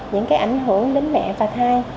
những ảnh hưởng đến mẹ và thai